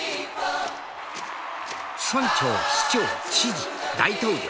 村長市長知事大統領。